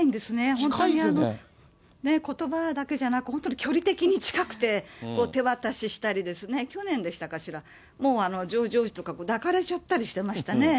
本当にことばだけじゃなく、本当に距離的に近くて、手渡ししたりですね、去年でしたかしら、もうジョージ王子とか抱かれちゃったりしてましたね。